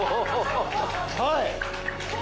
はい。